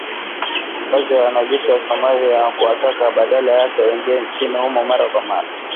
kazi na wanajeshi wa Somalia na kuwataka badala yake waingie nchini humo mara kwa mara